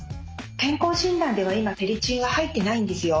健康診断では今フェリチンは入ってないんですよ。